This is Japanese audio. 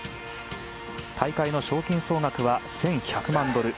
大会の賞金総額は１１００万ドル